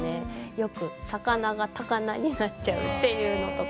よく「さかな」が「たかな」になっちゃうっていうのとか。